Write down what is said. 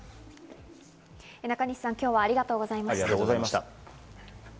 中西さん、今日はありがとうございました。